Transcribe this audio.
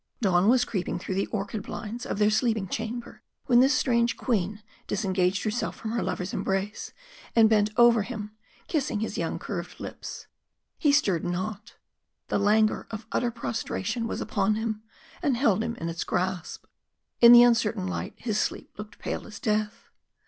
Dawn was creeping through the orchid blinds of their sleeping chamber when this strange Queen disengaged herself from her lover's embrace, and bent over him, kissing his young curved lips. He stirred not the languor of utter prostration was upon him, and held him in its grasp. In the uncertain light his sleep looked pale as death.